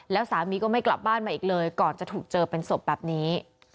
แล้วสามีก็ไม่กลับบ้านมาอีกเลยก่อนจะถูกเจอเป็นศพแบบนี้